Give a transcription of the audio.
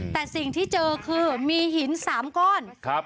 แต่สิ่งที่เจอคือมีหินสามก้อนครับ